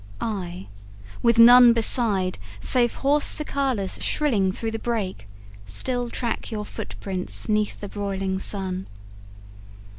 I, with none beside, Save hoarse cicalas shrilling through the brake, Still track your footprints 'neath the broiling sun.